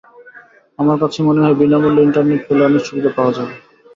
আমার কাছে মনে হয়, বিনা মূল্যে ইন্টারনেট পেলে অনেক সুবিধা পাওয়া যাবে।